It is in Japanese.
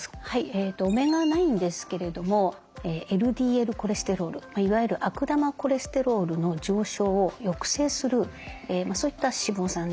オメガ９ですけれどもＬＤＬコレステロールいわゆる悪玉コレステロールの上昇を抑制するそういった脂肪酸です。